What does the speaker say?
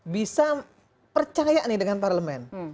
bisa percaya nih dengan parlemen